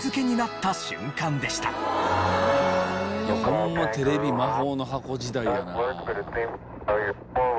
ホンマテレビ魔法の箱時代やな。